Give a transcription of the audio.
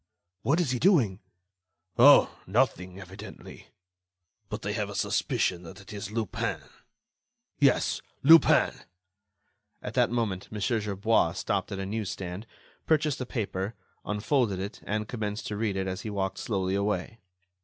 "What is he doing?" "Oh! nothing, evidently.... But I have a suspicion that it is Lupin—yes, Lupin!" At that moment, Mon. Gerbois stopped at a news stand, purchased a paper, unfolded it and commenced to read it as he walked slowly away.